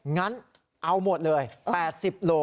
งั้นเอาหมดเลย๘๐โล